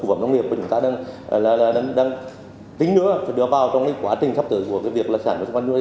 và đưa vào trong quá trình sắp tới của việc sản xuất thức ăn chăn nuôi